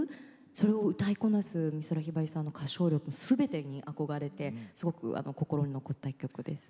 それを歌いこなす美空ひばりさんの歌唱力すべてに憧れてすごく心に残った１曲です。